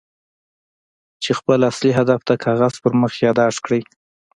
چې خپل اصلي هدف د کاغذ پر مخ ياداښت کړئ.